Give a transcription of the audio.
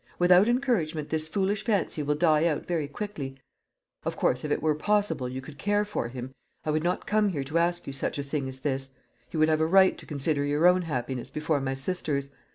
Without encouragement this foolish fancy will die out very quickly. Of course, if it were possible you could care for him, I would not come here to ask you such a thing as this. You would have a right to consider your own happiness before my sister's.